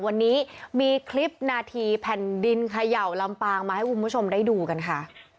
วันนี้มีคลิปนาทีแผ่นดินเขย่าลำปางมาให้คุณผู้ชมได้ดูกันค่ะ